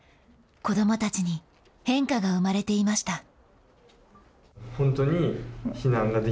子どもたちに変化が生まれていました。